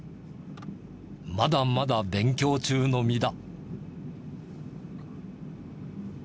まだまだ勉強中の身だ。